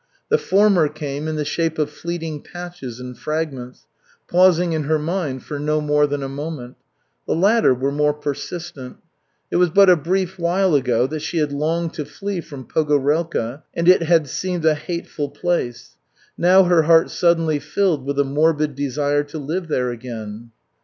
The former came in the shape of fleeting patches and fragments, pausing in her mind for no more than a moment; the latter were more persistent. It was but a brief while ago that she had longed to flee from Pogorelka and it had seemed a hateful place. Now her heart suddenly filled with a morbid desire to live there again.